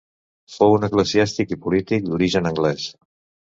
Fou un eclesiàstic i polític d'origen anglès.